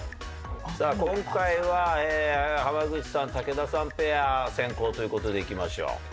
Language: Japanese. さあ今回は濱口さん・武田さんペア先攻という事でいきましょう。